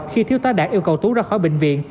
khi thiếu tá đạt yêu cầu tú ra khỏi bệnh viện